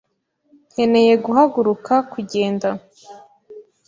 Nkeneye guhaguruka-kugenda.